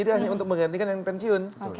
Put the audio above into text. tidak hanya untuk menggantikan yang pensiun